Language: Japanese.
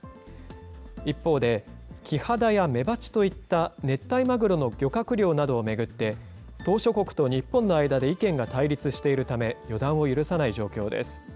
一方で、キハダやメバチといった熱帯マグロの漁獲量などを巡って、島しょ国と日本の間で意見が対立しているため、予断を許さない状況です。